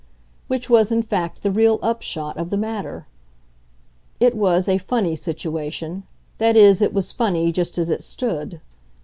Which was in fact the real upshot of the matter. It was a "funny" situation that is it was funny just as it stood.